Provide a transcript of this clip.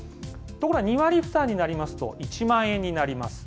ところが２割負担になりますと、１万円になります。